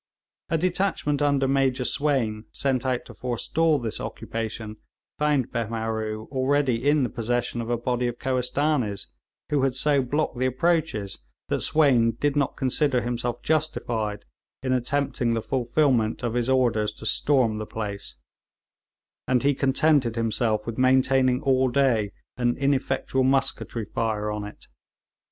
A detachment under Major Swayne, sent out to forestall this occupation, found Behmaroo already in the possession of a body of Kohistanees, who had so blocked the approaches that Swayne did not consider himself justified in attempting the fulfilment of his orders to storm the place; and he contented himself with maintaining all day an ineffectual musketry fire on it.